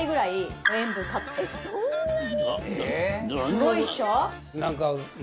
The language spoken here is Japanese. すごいっしょ？